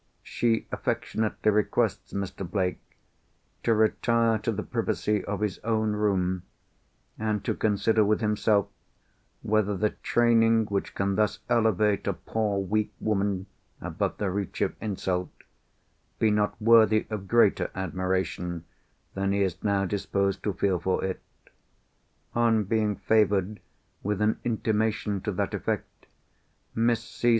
She affectionately requests Mr. Blake to retire to the privacy of his own room, and to consider with himself whether the training which can thus elevate a poor weak woman above the reach of insult, be not worthy of greater admiration than he is now disposed to feel for it. On being favoured with an intimation to that effect, Miss C.